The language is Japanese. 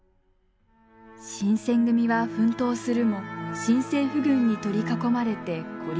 新選組は奮闘するも新政府軍に取り囲まれて孤立。